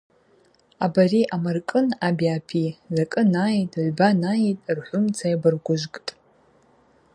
Абари амаркӏын аби апи – закӏы найитӏ, гӏвба найитӏ – рхӏвумца йабаргвыжвкӏтӏ.